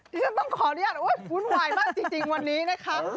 ที่ฉันต้องขออนุญาตอุ๊ยอุ่นวายมากจริงวันนี้นะครับ